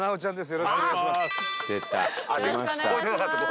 よろしくお願いします。